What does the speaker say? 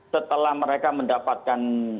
setelah mereka mendapatkan